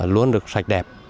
luôn được sạch đẹp